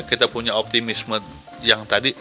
kita punya optimisme yang tadi